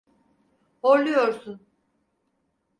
Horluyorsun.